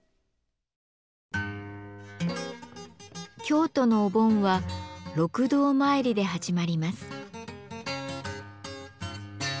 京都のお盆は六道まいりで始まります。